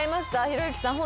ひろゆきさん